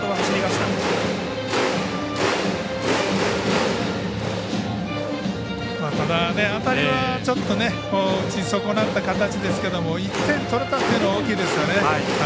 ただ当たりはちょっと打ちそこなった形ですけど１点取れたというのは大きいですよね。